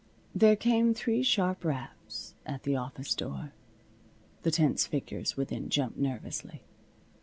There came three sharp raps at the office door. The tense figures within jumped nervously.